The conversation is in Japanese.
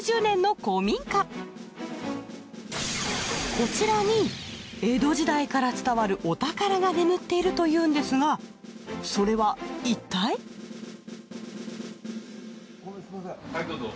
こちらに江戸時代から伝わるお宝が眠っているというんですがそれはいったい？